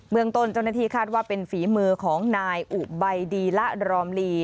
เมืองต้นเจ้าหน้าที่คาดว่าเป็นฝีมือของนายอุบัยดีละรอมลี